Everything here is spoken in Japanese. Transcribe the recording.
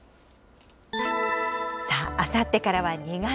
あさってからは２月。